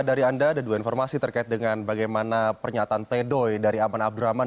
dari anda ada dua informasi terkait dengan bagaimana pernyataan pedoy dari aman abdurrahman